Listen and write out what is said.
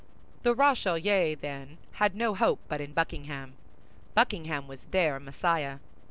The Rochellais, then, had no hope but in Buckingham. Buckingham was their Messiah.